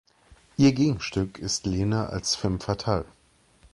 Ihr Gegenstück ist Lene als femme fatale.